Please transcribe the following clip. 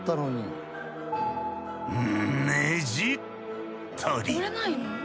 ねじったり。